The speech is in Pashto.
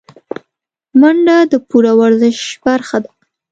منډه د پوره ورزش برخه ده